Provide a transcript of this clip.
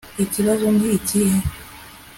ikibazo ni ikihe